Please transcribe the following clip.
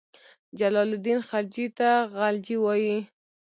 جلال الدین خلجي ته غلجي وایي.